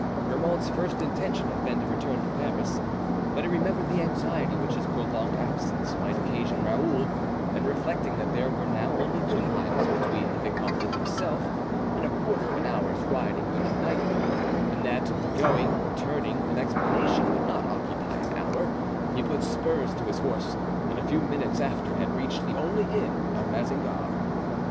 Grimaud's first intention had been to return to Paris, but he remembered the anxiety which his prolonged absence might occasion Raoul, and reflecting that there were now only two miles between the vicomte and himself and a quarter of an hour's riding would unite them, and that the going, returning and explanation would not occupy an hour, he put spurs to his horse and a few minutes after had reached the only inn of Mazingarbe.